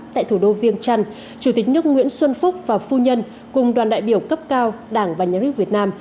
tại thủ đô viêng trăn chủ tịch nước nguyễn xuân phúc và phu nhân cùng đoàn đại biểu cấp cao đảng và nhà nước việt nam